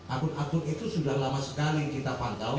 akun akun itu sudah lama sekali kita pantau